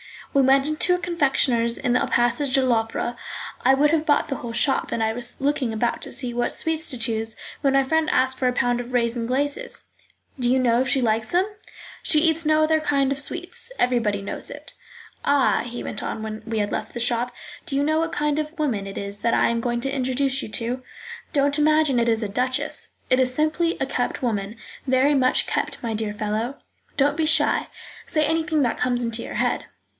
We went into a confectioner's in the passage de l'Opera. I would have bought the whole shop, and I was looking about to see what sweets to choose, when my friend asked for a pound of raisins glaces. "Do you know if she likes them?" "She eats no other kind of sweets; everybody knows it. "Ah," he went on when we had left the shop, "do you know what kind of woman it is that I am going to introduce you to? Don't imagine it is a duchess. It is simply a kept woman, very much kept, my dear fellow; don't be shy, say anything that comes into your head."